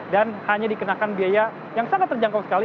dan hanya dikenakan biaya yang sangat terjangkau sekali